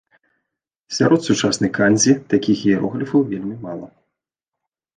Сярод сучасных кандзі такіх іерогліфаў вельмі мала.